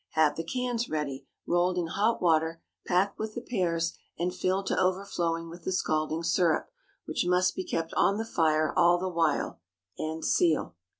Have the cans ready, rolled in hot water, pack with the pears and fill to overflowing with the scalding syrup, which must be kept on the fire all the while, and seal.